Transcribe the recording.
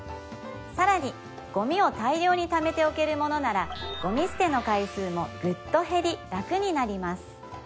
さらにゴミを大量にためておけるものならゴミ捨ての回数もグッと減り楽になります